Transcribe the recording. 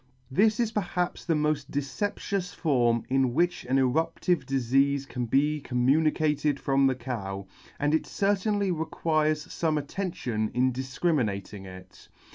This is perhaps the moil deceptious form in which an erup tive difeafe can be communicated from the cow, and it certainly requires fome attention in difcriminating it.